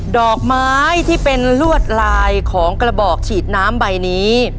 ดอกไม้ที่เป็นลวดลายของกระบอกฉีดน้ำใบนี้